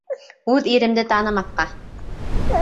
Үҙ иремде танымаҫҡа!